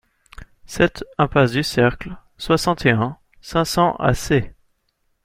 sept impasse Ducercle, soixante et un, cinq cents à Sées